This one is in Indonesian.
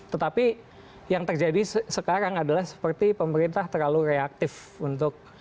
tetapi yang terjadi sekarang adalah seperti pemerintah terlalu reaktif untuk